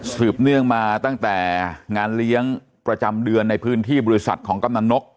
เนื่องมาตั้งแต่งานเลี้ยงประจำเดือนในพื้นที่บริษัทของกำนันนก